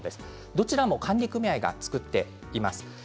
どちらも管理組合が作っています。